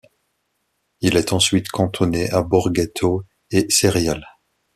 Il est ensuite cantonné à Borghetto et Ceriale.